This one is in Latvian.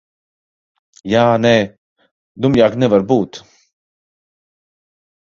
Jā, nē. Dumjāk nevar būt.